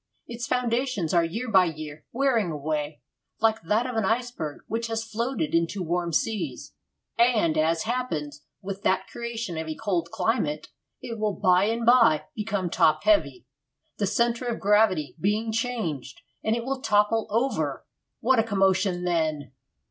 Its foundations are year by year wearing away, like that of an iceberg which has floated into warm seas, and, as happens with that creation of a cold climate, it will by and by become top heavy, the centre of gravity being changed, and it will topple over! What a commotion then!'